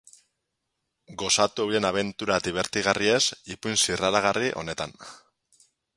Gozatu euren abentura dibertigarriez ipuin zirraragarri honetan.